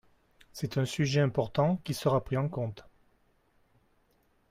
C’est un sujet important qui sera pris en compte.